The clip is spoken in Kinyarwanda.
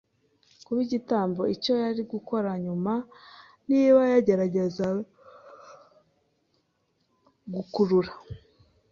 kuba igitambo. Icyo yari gukora nyuma - niba yagerageza gukurura